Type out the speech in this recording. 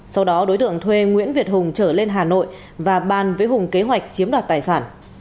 sau đó đối tượng thuê nguyễn việt hùng trở lên hà nội và ban với hùng kế hoạch chiếm đoạt tài sản